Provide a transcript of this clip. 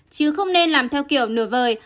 chứ không nên làm theo kiểu nửa vời